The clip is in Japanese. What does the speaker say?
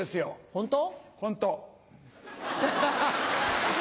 ホント。